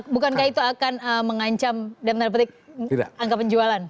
bukankah itu akan mengancam angka penjualan